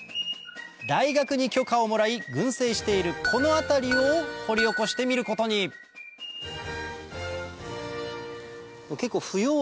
大学に許可をもらい群生しているこの辺りを掘り起こしてみることに結構。